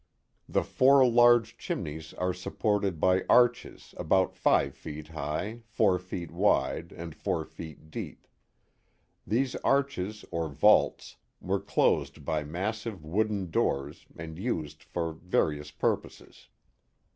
The four large chimneys are supported by arches about five feet high, four feet wide, and four feet deep. These arches or vaults were closed by massive wooden doors and used for various purposes.